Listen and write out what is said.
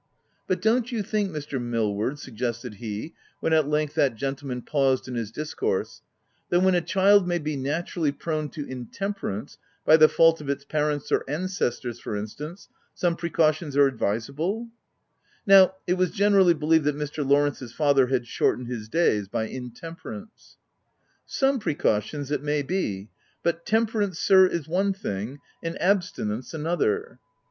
"But don't you think, Mr. Milhvard," sug gested he, when at length that gentleman paused in his discourse, "that when a child may be natu rally prone to intemperance — by the fault of its parents or ancestors, for instance — some pre cautions are advisable V (Now it w r as generally believed that Mr. Lawrence's father had short ened his days by intemperance.) u Some precautions, it may be ; but tem perance, sir, is one thing, and abstinence another.